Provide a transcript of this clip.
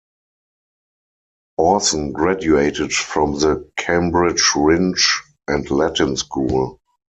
Orson graduated from the Cambridge Rindge and Latin School.